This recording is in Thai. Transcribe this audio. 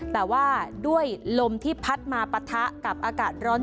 แต่ว่าด้วยลมที่พัดมาปะทะกับอากาศร้อน